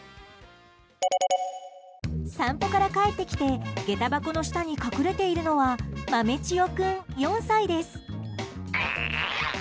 散歩から帰ってきて下駄箱の下に隠れているのは豆千代君、４歳です。